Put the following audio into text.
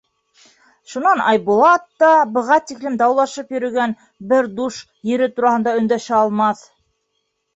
Шунан Айбулат та быға тиклем даулашып йөрөгән бер душ ере тураһында өндәшә алмаҫ.